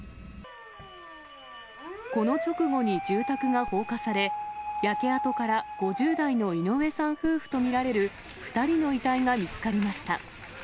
この直後に住宅が放火され、焼け跡から５０代の井上さん夫婦と見られる、２人の遺体が見つかりました。